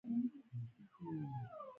په ونو کې د خزان رنګ خپور وي